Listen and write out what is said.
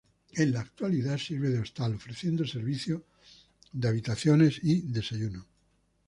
En la actualidad sirve de hostal ofreciendo servicio de habitaciones y desayuno.